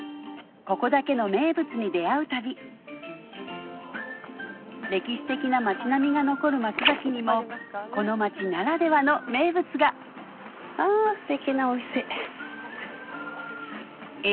ここだけの名物に出合う旅歴史的な町並みが残る松崎にもこの町ならではの名物があステキなお店。